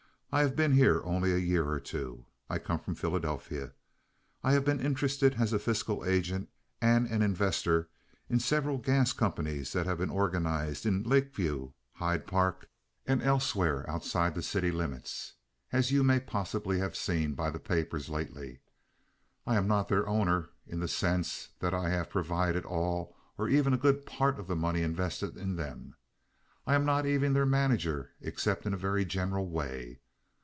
"I have been here only a year or two. I come from Philadelphia. I have been interested as a fiscal agent and an investor in several gas companies that have been organized in Lake View, Hyde Park, and elsewhere outside the city limits, as you may possibly have seen by the papers lately. I am not their owner, in the sense that I have provided all or even a good part of the money invested in them. I am not even their manager, except in a very general way.